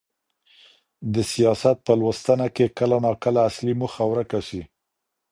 د سياست په لوستنه کي کله ناکله اصلي موخه ورکه سي.